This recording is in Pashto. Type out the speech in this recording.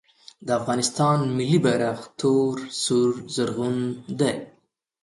د افغانستان ملي بیرغ تور سور زرغون دی